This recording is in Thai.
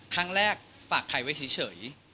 ครั้งแรกฝากใครไว้เฉย